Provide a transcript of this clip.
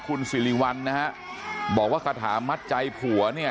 คุณสิริวัลนะฮะบอกว่าคาถามัดใจผัวเนี่ย